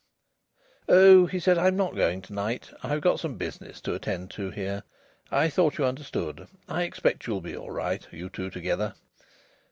"Oh!" he said. "I'm not going to night. I've got some business to attend to here. I thought you understood. I expect you'll be all right, you two together."